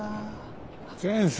先生。